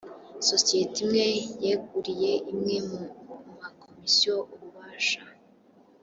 sosiyete imwe yeguriye imwe mu makomisiyo ububasha